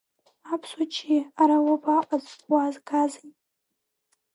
Аԥсуа ччиа, ара уабаҟаз, уаазгазеи?